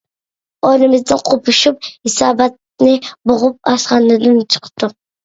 ئورنىمىزدىن قوپۇشۇپ ھېساباتنى بوغۇپ ئاشخانىدىن چىقتۇق.